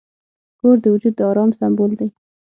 کور د وجود د آرام سمبول دی.